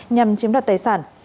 nhằm chiếm đoạt tài sản